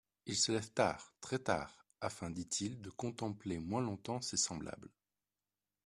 Il se lève tard, très tard, afin, dit-il, de contempler moins longtemps ses semblables…